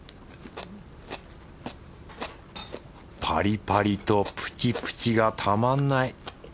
パリパリとプチプチがたまんない。